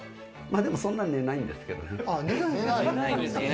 でもそんなに寝ないんですけどね。